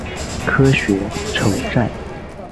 科学酬载